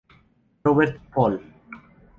Robert Pohl.